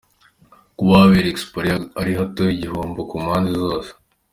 Kuba ahabera Expo ari hato, igihombo ku mpande zose.